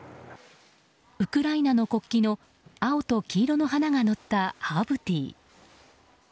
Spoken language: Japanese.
ウクライナの国旗の青と黄色の花がのったハーブティー。